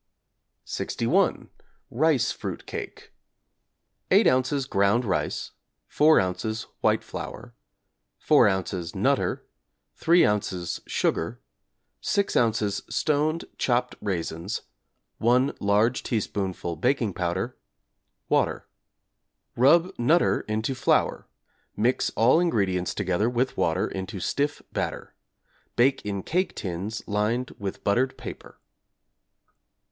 =61. Rice Fruit Cake= 8 ozs. ground rice, 4 ozs. white flour, 4 ozs. 'Nutter,' 3 ozs. sugar, 6 ozs. stoned, chopped raisins, 1 large teaspoonful baking powder, water. Rub 'Nutter' into flour, mix all ingredients together with water into stiff batter; bake in cake tins lined with buttered paper.